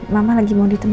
mama lagi mau ditemui